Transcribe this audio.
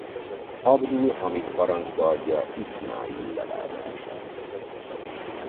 Abdul-Hamid parancsba adja Iszmáíl leváltását.